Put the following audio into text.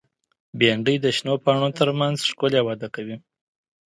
بېنډۍ د شنو پاڼو تر منځ ښکلي وده کوي